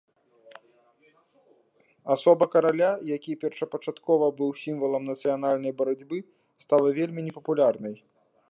Асоба караля, які першапачаткова быў сімвалам нацыянальнай барацьбы, стала вельмі непапулярнай.